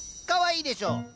かわいいでしょ。